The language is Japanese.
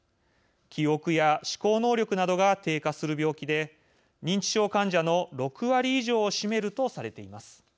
記憶や思考能力などが低下する病気で認知症患者の６割以上を占めるとされています。